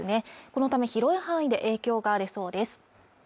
このため広い範囲で影響が出そうです